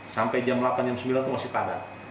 sampai jam delapan jam sembilan itu masih padat